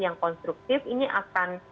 yang konstruktif ini akan